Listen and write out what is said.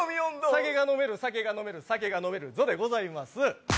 「酒が飲める酒が飲める酒が飲めるぞ」でございます。